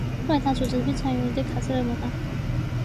后来他组织并参与了对凯撒的谋杀。